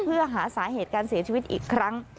เพื่อหาสาเหตุการเสียชีวิตอีกครั้ง